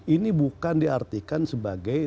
ini bukan diartikan sebagai